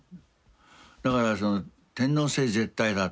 だから天皇制絶対だと。